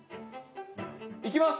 いきます！